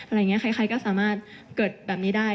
อะไรอย่างนี้ใครก็สามารถเกิดแบบนี้ได้